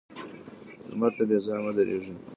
لمر ته بې ځايه مه درېږه